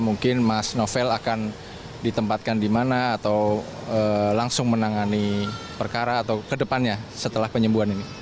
mungkin mas novel akan ditempatkan di mana atau langsung menangani perkara atau kedepannya setelah penyembuhan ini